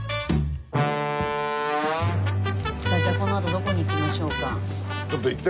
さあじゃあこのあとどこに行きましょうか？